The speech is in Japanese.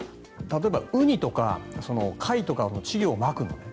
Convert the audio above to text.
今、例えばウニとか貝とかは稚魚をまくのね。